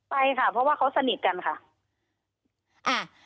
ไปค่ะเพราะว่าเขาสนิทกันค่ะ